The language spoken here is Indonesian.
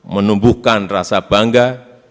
menumbuhkan rasa bangga